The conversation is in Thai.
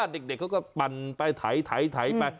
เด็กเขาก็ปั่นไปไถไป